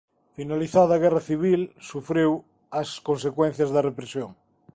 Finalizada a guerra civil sufriu as consecuencias da represión.